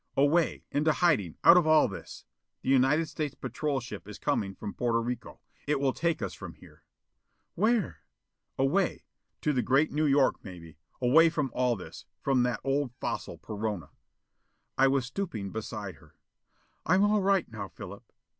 "Away. Into hiding out of all this. The United States patrol ship is coming from Porto Rico. It will take us from here." "Where?" "Away. To Great New York, maybe. Away from all this; from that old fossil, Perona." I was stooping beside her. "I'm all right now, Philip."